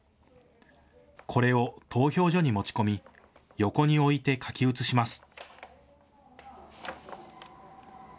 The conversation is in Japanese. これを投票所に持ち込み横に置いて書き写します。